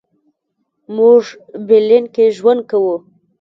موږ برلین کې ژوند کوو.